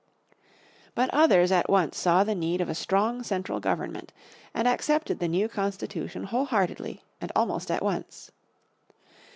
But others at once saw the need of a strong central government and accepted the new Constitution whole heartedly and almost at once.